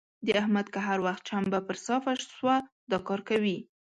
د احمد که هر وخت چمبه پر صافه سوه؛ دا کار کوي.